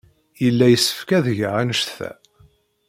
Yella yessefk ad geɣ anect-a.